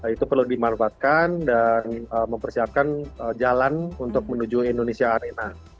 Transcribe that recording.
itu perlu dimanfaatkan dan mempersiapkan jalan untuk menuju indonesia arena